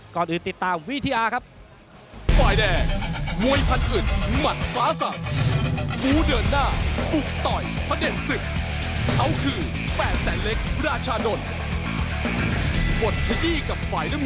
ก่อนอื่นติดตามวิทยาครับ